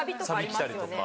サビ来たりとか。